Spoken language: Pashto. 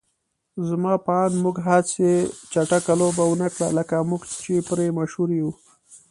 زما په اند موږ هغسې چټکه لوبه ونکړه لکه موږ چې پرې مشهور يو.